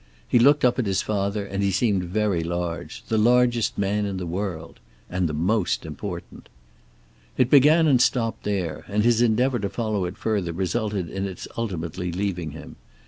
He looked up at his father, and he seemed very large. The largest man in the world. And the most important. It began and stopped there, and his endeavor to follow it further resulted in its ultimately leaving him.